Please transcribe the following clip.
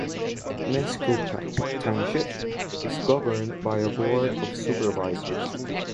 Nescopeck Township is governed by a board of supervisors.